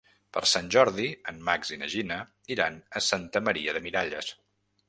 Per Sant Jordi en Max i na Gina iran a Santa Maria de Miralles.